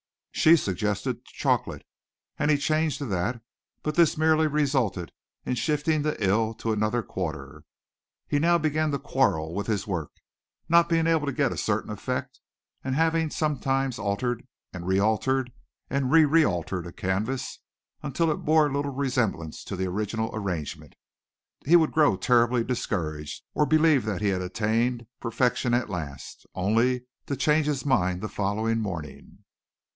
She suggested chocolate and he changed to that, but this merely resulted in shifting the ill to another quarter. He now began to quarrel with his work not being able to get a certain effect, and having sometimes altered and re altered and re re altered a canvas until it bore little resemblance to the original arrangement, he would grow terribly discouraged; or believe that he had attained perfection at last, only to change his mind the following morning.